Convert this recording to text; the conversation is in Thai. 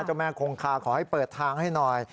เจ้าแม่คงคาขอให้เปิดทางให้หน่อย